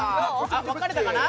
あっ分かれたかな？